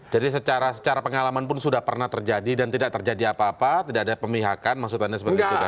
jadi secara pengalaman pun sudah pernah terjadi dan tidak terjadi apa apa tidak ada pemihakan maksudannya seperti itu